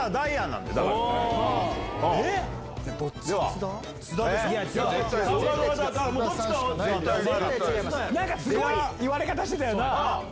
なんかすごい言われ方してたよな。